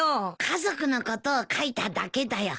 家族のことを書いただけだよ。